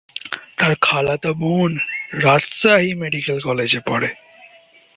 তার খালাতো বোন রাজশাহী মেডিকেল কলেজে পড়ে।